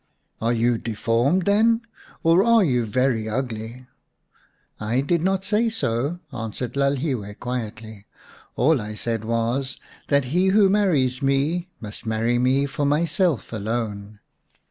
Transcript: " Are you deformed, then ? Or are you very ugly?" " I did not say so," answered Lalhiwe quietly. " All I said was that he who marries me must marry me for myself alone."